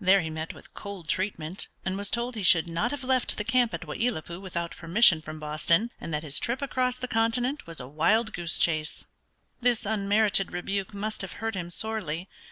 There he met with cold treatment, and was told he should not have left the camp at Wai i lat pui without permission from Boston, and that his trip across the continent was a wild goose chase. This unmerited rebuke must have hurt him sorely.